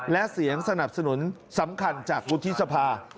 และเสียงสนับสนุนสำคัญจากวุฒิสภา